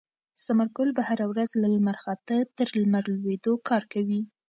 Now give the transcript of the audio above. ثمرګل به هره ورځ له لمر خاته تر لمر لوېدو کار کوي.